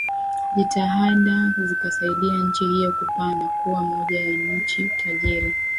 Jitihada zikasaidia nchi hiyo kupaa na kuwa moja ya nchi tajiri